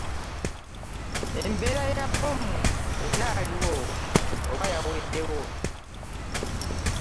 Embeera ya bbomu ekyaliwo aba yawedewo?